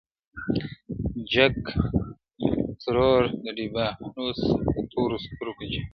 جنګ د تورو نه دییارهاوس د تورو سترګو جنګ دی,